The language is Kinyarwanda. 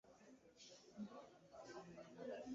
Buri kigo kigira ibirango byacyo byihariye